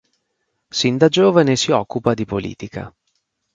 Sin da giovane si occupa di politica.